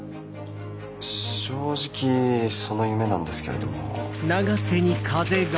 正直その夢なんですけれども。